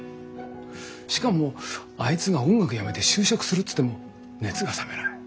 しかもあいつが音楽やめて就職するっつっても熱が冷めない。